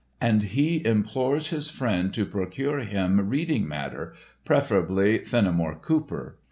And he implores his friend to procure him reading matter, preferably Fenimore Cooper.